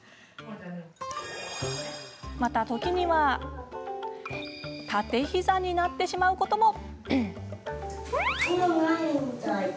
また、時には立て膝になってしまうことも。